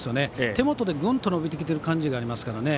手元でぐんと伸びてきている感じがありますからね。